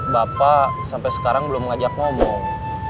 bapak sampai sekarang belum ngajak ngomong